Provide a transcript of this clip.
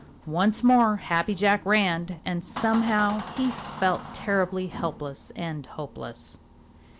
Once more Happy Jack ran, and somehow he felt terribly helpless and hopeless.